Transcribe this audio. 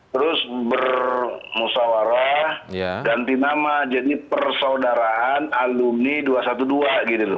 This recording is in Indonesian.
terus bermusawarah ganti nama jadi persaudaraan alumni dua ratus dua belas gitu loh